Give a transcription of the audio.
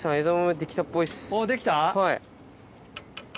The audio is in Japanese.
はい。